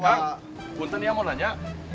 bukankah bukankah mau tanya